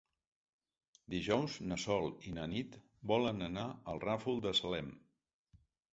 Dijous na Sol i na Nit volen anar al Ràfol de Salem.